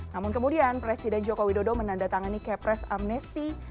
namun kemudian presiden joko widodo menandatangani kepres amnesti